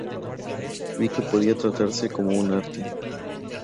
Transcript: Vi que podía tratarse como un arte".